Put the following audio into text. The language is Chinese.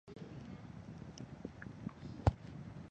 出入口分为北口与南口两处。